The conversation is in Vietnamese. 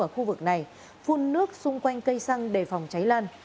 ở khu vực này phun nước xung quanh cây xăng để phòng cháy lan